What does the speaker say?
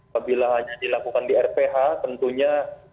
kalau dilakukan di rph tentunya